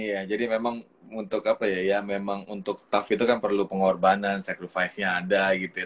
iya jadi memang untuk apa ya ya memang untuk tough itu kan perlu pengorbanan securvice nya ada gitu ya